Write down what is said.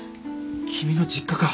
君の実家か。